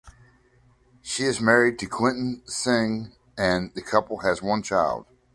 She is married to Quinton Singh and the couple has one child.